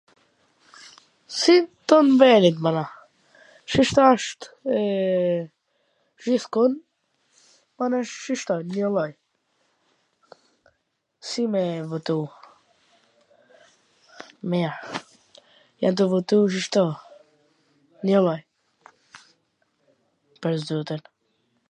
si t thon t mwdhejt mana, siC asht, gjith kon, siC asht gjith kon, njw lloj, si me votu mir, e do votosh ... pash zotin